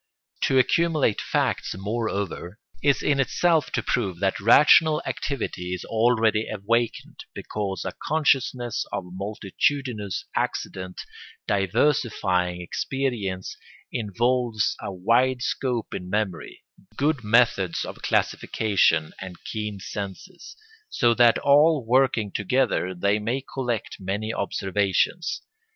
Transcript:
To accumulate facts, moreover, is in itself to prove that rational activity is already awakened, because a consciousness of multitudinous accidents diversifying experience involves a wide scope in memory, good methods of classification, and keen senses, so that all working together they may collect many observations.